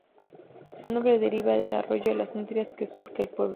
Su nombre deriva del arroyo Las Nutrias que surca el pueblo.